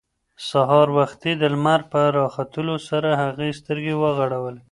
سهار وختي د لمر په راختلو سره هغې سترګې وغړولې.